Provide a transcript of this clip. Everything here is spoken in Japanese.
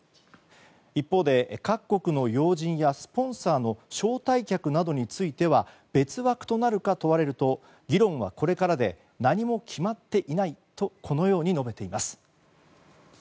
一方で、各国の要人やスポンサーの招待客などについては別枠となるか問われると議論はこれからで何も決まっていないとこのように述べています。